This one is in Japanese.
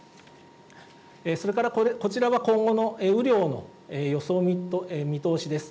それからこちらは、今後の雨量の予想見通しです。